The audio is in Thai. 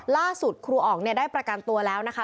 ครูอ๋องได้ประกันตัวแล้วนะคะ